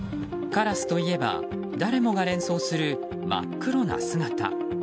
カラスといえば誰もが連想する真っ黒な姿。